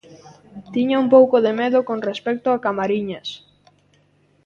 Tiña un pouco de medo con respecto a Camariñas.